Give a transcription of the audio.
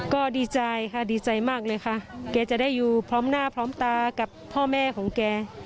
ก็ดีใจค่ะดีใจมากเลยค่ะแกจะได้อยู่พร้อมหน้าพร้อมตากับพ่อแม่ของแก